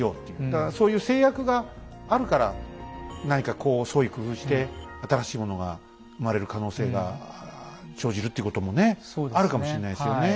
だからそういう制約があるから何かこう創意工夫して新しいものが生まれる可能性が生じるっていうこともねあるかもしれないですよね。